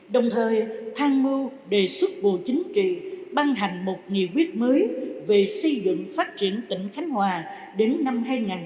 đồng thời thang mưu đề xuất bộ chính trị ban hành một nghị quyết mới về xây dựng phát triển tỉnh khánh hòa đến năm hai nghìn ba mươi